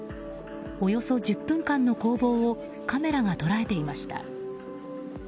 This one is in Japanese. およそ１０分間の攻防をカメラが捉えていました。